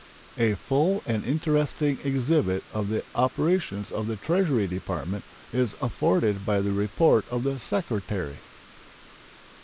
A full and interesting exhibit of the operations of the Treasury Department is afforded by the report of the Secretary.